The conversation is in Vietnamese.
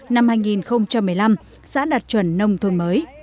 năm hai nghìn một mươi năm xã đạt chuẩn nông thôn mới